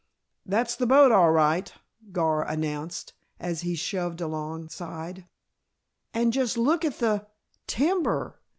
"That's the boat, all right," Gar announced, as he shoved alongside. "And just look at the timber!"